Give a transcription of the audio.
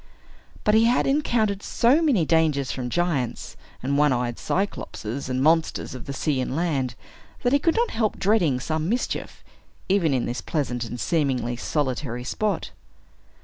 But he had encountered so many dangers from giants, and one eyed Cyclops, and monsters of the sea and land, that he could not help dreading some mischief, even in this pleasant and seemingly solitary spot.